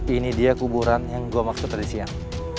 ini dia kuburan yang gue maksud tadi siang